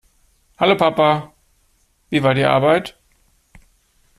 Hallo, Papa. Wie war die Arbeit?